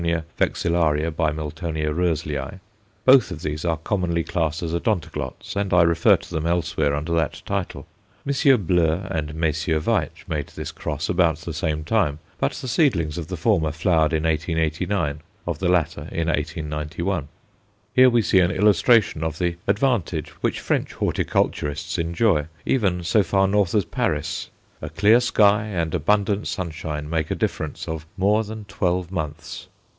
vexillaria × Mil. Roezlii_; both of these are commonly classed as Odontoglots, and I refer to them elsewhere under that title. M. Bleu and Messrs. Veitch made this cross about the same time, but the seedlings of the former flowered in 1889, of the latter, in 1891. Here we see an illustration of the advantage which French horticulturists enjoy, even so far north as Paris; a clear sky and abundant sunshine made a difference of more than twelve months.